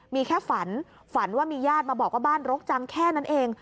มีแค่ฝันฝันว่ามีญาติมาบอกว่าบ้านรกจังแค่นั้นเอง